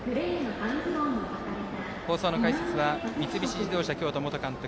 放送の解説は三菱自動車京都元監督